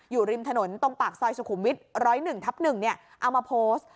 อยู่ริมถนนตรงปากซอยสุขุมวิทย์๑๐๑ทับ๑เอามาโพสต์